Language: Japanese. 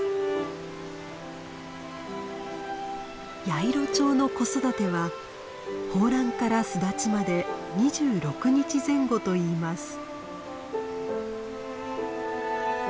ヤイロチョウの子育ては抱卵から巣立ちまで２６日前後といいます。